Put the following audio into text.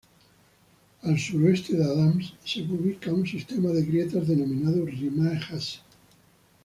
Al suroeste de Adams se ubica un sistema de grietas denominado Rimae Hase.